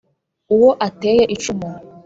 Uwo ateye icumu